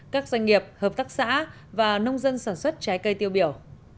các doanh nghiệp hợp tác xã và nông dân sản xuất trái cây tiêu biểu